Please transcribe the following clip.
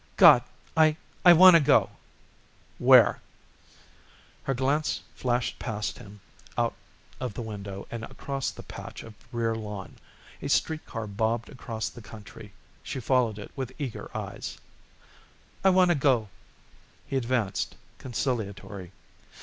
"God! I I wanna go." "Where?" Her glance flashed past him out of the window and across the patch of rear lawn. A street car bobbed across the country; she followed it with eager eyes. "I wanna go." He advanced, conciliatory.